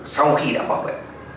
sau khi đã khỏi bệnh